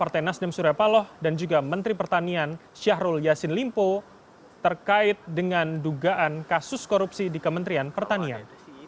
partai nasdem surya paloh dan juga menteri pertanian syahrul yassin limpo terkait dengan dugaan kasus korupsi di kementerian pertanian